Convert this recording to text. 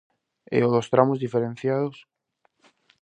E o dos tramos diferenciados?